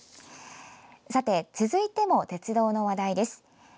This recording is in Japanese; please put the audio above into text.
さて、続いても鉄道の話題です。